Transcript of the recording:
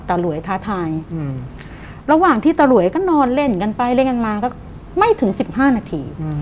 หลวยท้าทายระหว่างที่ตาหลวยก็นอนเล่นกันไปเล่นกันมาก็ไม่ถึง๑๕นาที